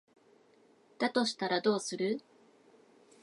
だとしたらどうする？